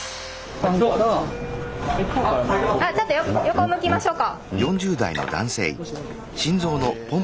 あちょっと横向きましょうか。